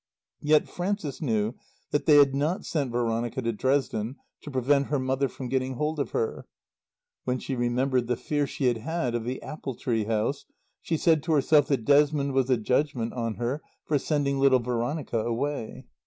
Yet Frances knew that they had not sent Veronica to Dresden to prevent her mother from getting hold of her. When she remembered the fear she had had of the apple tree house, she said to herself that Desmond was a judgment on her for sending little Veronica away.